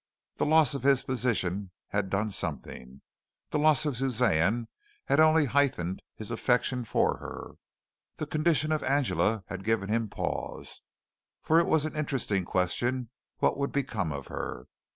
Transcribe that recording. The loss of his position had done something. The loss of Suzanne had only heightened his affection for her. The condition of Angela had given him pause, for it was an interesting question what would become of her.